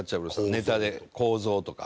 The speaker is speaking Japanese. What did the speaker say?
ネタで構造とか。